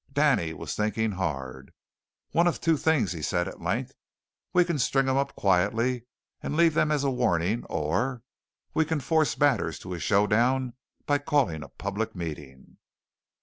Danny was thinking hard. "One of two things," said he at length: "We can string them up quietly, and leave them as a warning; or we can force matters to a showdown by calling a public meeting."